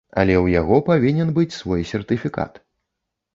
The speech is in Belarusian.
Але ў яго павінен быць свой сертыфікат.